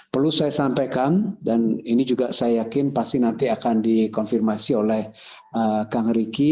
perlu saya sampaikan dan ini juga saya yakin pasti nanti akan dikonfirmasi oleh kang ricky